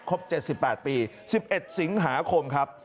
๗๘ปี๑๑สิงหาคมครับ